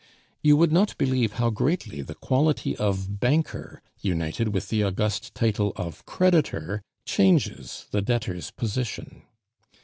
You would not believe how greatly the quality of banker, united with the august title of creditor, changes the debtor's position.